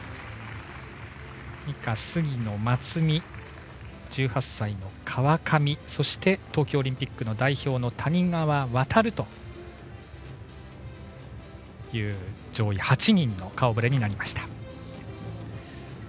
以下、杉野、松見１８歳の川上そして東京オリンピックの代表の谷川航という上位８人の顔ぶれになりました。